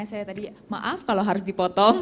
saya tadi maaf kalau harus dipotong